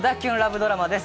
ドラマです！